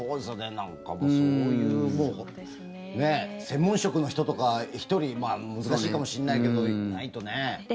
そういう専門職の人とか１人難しいかもしれないけどいないとね。